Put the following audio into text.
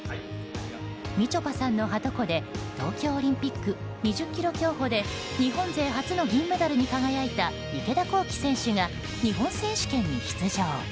みちょぱさんの、はとこで東京オリンピック２０ｋｍ競歩で日本勢初の銀メダルに輝いた池田向希選手が日本選手権に出場。